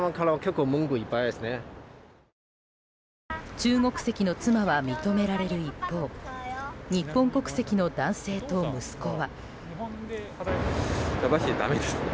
中国籍の妻は認められる一方日本国籍の男性と息子は。